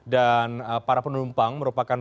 dan para penumpang merupakan